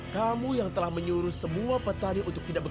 kau pun baik padamu